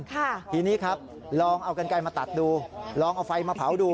ทีนี้ครับลองเอากันไกลมาตัดดูลองเอาไฟมาเผาดู